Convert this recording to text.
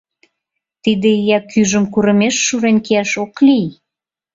Тиде ия кӱжым курымеш шурен кияш ок лий.